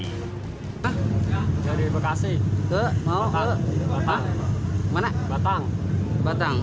hai dari bekasi ke mau ke mana batang batang